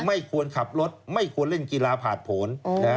ไม่ควรขับรถไม่ควรเล่นกีฬาผ่านผล